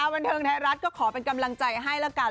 บันเทิงไทยรัฐก็ขอเป็นกำลังใจให้ละกัน